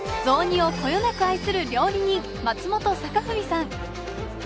雑煮をこよなく愛する料理人松本栄文さん。